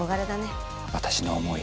私の思い